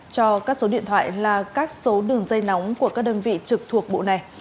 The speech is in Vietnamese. cho các số điện thoại là các số đường dây nóng của các đơn vị trực thuộc bộ này